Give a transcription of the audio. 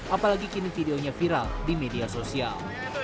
apalagi kini videonya viral di media sosial